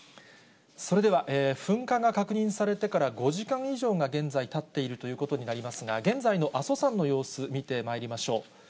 それでは、噴火が確認されてから５時間以上が現在たっているということになりますが、現在の阿蘇山の様子、見てまいりましょう。